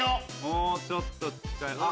もうちょっと近づいて。